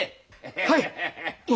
はい！